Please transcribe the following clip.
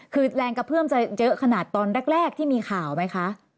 คือแรงกระเพื่อมจะเยอะขนาดตอนแรกที่มีข่าวไหมคะ